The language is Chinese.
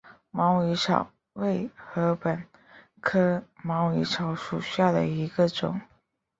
毛颖草为禾本科毛颖草属下的一个种。